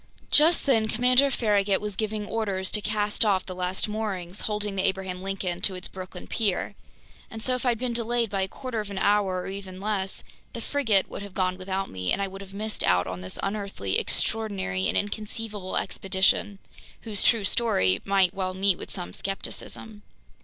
Just then Commander Farragut was giving orders to cast off the last moorings holding the Abraham Lincoln to its Brooklyn pier. And so if I'd been delayed by a quarter of an hour or even less, the frigate would have gone without me, and I would have missed out on this unearthly, extraordinary, and inconceivable expedition, whose true story might well meet with some skepticism.